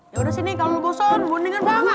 yaudah sini kalau bosan bundingan bangga